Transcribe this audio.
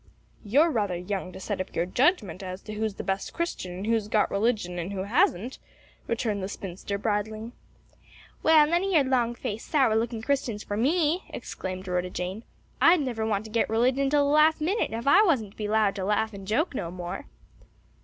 "You're rather young to set up your judgment as to who's the best Christian and who's got religion and who hasn't," returned the spinster bridling. "Well, none o' your long faced, sour looking Christians for me!" exclaimed Rhoda Jane, "I'd never want to get religion till the last minute, if I wasn't to be 'lowed to laugh and joke no more."